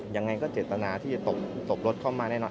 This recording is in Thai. ยังไงก็เจตนาที่ตกรถเข้ามาได้เนอะ